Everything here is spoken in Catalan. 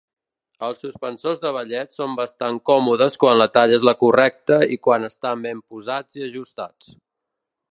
Els suspensors de ballet són bastant còmodes quan la talla és la correcta i quan estan ben posats i ajustats.